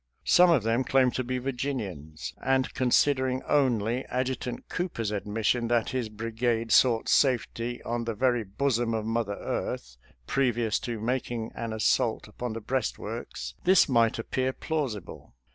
Some of them claimed to be Virginians, and consider ing only Adjutant Cooper's admission that his brigade sought safety on the very bosom of Mother Earth, previous to making an assault upon the breastworks, this might appear plausi ble.